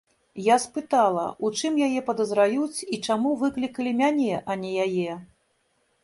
Я спытала, у чым яе падазраюць і чаму выклікалі мяне, а не яе.